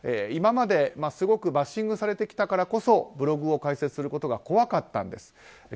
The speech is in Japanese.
今まですごくバッシングされてきたからこそブログを開設することが怖かったんです。